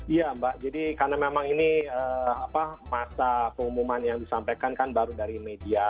iya mbak jadi karena memang ini masa pengumuman yang disampaikan kan baru dari media